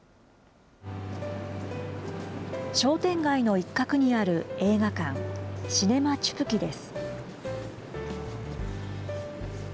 商店街の一角にある映画館、シネマチュプキです。